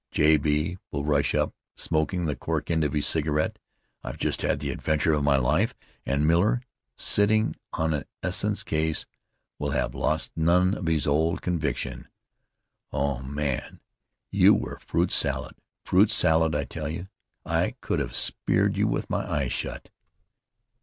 J. B. will rush up smoking the cork end of a cigarette. "I've just had the adventure of my life!" And Miller, sitting on an essence case, will have lost none of his old conviction. "Oh, man! you were fruit salad! Fruit salad, I tell you! I could have speared you with my eyes shut!"